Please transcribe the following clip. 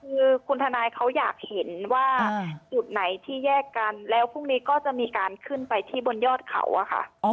คือคุณทนายเขาอยากเห็นว่าจุดไหนที่แยกกันแล้วพรุ่งนี้ก็จะมีการขึ้นไปที่บนยอดเขาอะค่ะ